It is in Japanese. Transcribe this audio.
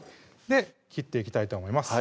で切っていきたいと思います